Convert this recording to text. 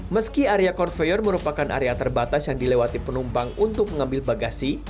meski area konveyor merupakan area terbatas yang dilewati penumpang untuk mengambil bagasi